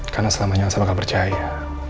karena selamanya elsa bakal percaya